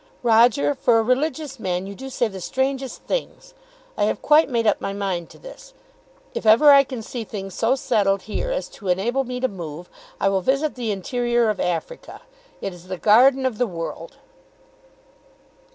"Roger, for a religious man, you do say the strangest things! I have quite made up my mind to this; if ever I can see things so settled here as to enable me to move, I will visit the interior of Africa. It is the garden of the world."